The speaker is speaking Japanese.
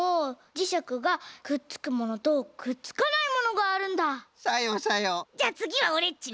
じゃあつぎはオレっちね。